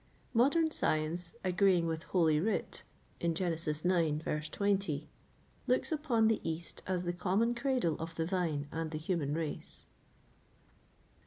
Modern science, agreeing with holy writ,[XXVIII 7] looks upon the east as the common cradle of the vine and the human race.